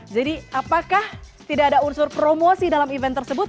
jadi apakah tidak ada unsur promosi dalam event tersebut